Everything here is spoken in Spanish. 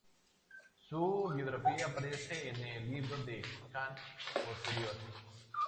Su biografía aparece en el Libro de Han Posterior.